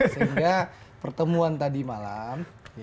sehingga pertemuan tadi malam